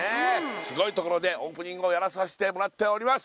スゴいところでオープニングをやらさせてもらっております